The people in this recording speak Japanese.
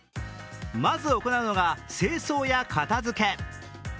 まず行うのが清掃や片づけ。